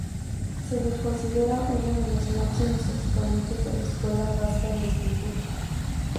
Se le considera uno de los máximos exponentes de la Escuela Vasca de Escultura.